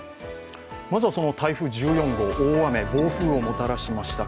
まずはその台風１４号大雨、暴風をもたらしました。